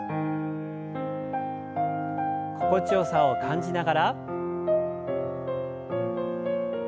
心地よさを感じながら。